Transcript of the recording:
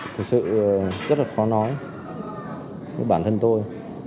thực sự rất là khó nói như bản thân tôi